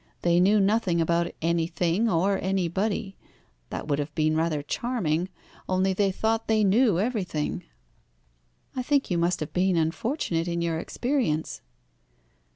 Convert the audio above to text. They knew nothing about anything or anybody. That would have been rather charming, only they thought they knew everything." "I think you must have been unfortunate in your experience."